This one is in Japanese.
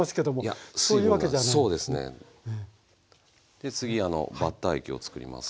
で次バッター液を作ります。